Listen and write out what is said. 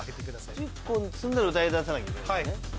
１０個積んだら歌い出さなきゃいけないのね。